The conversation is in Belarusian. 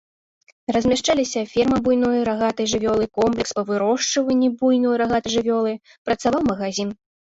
Размяшчаліся ферма буйной рагатай жывёлы, комплекс па вырошчванні буйной рагатай жывёлы, працаваў магазін.